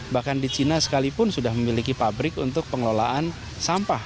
bahkan di cina sekalipun sudah memiliki pabrik untuk pengelolaan sampah